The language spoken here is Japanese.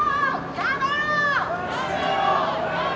やめろ！